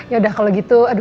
yaudah kalau gitu